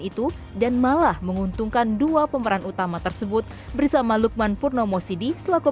itu dan malah menguntungkan dua pemeran utama tersebut bersama lukman purnomo sidi selaku